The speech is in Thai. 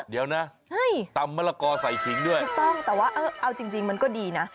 เดี๋ยวนะตำมะละกอใส่ขิงด้วยถูกต้องแต่ว่าเอาจริงมันก็ดีนะ